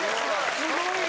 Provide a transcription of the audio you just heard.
すごいわ。